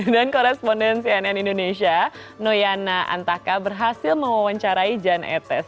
dan korespondensi ann indonesia noyana antaka berhasil mewawancarai jan etes